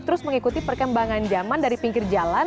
terus mengikuti perkembangan zaman dari pinggir jalan